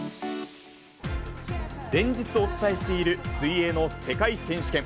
連日お伝えしている水泳の世界選手権。